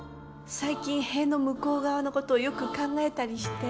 最近塀の向こう側のことをよく考えたりして。